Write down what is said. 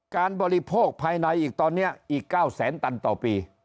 บริโภคภายในอีกตอนนี้อีก๙แสนตันต่อปี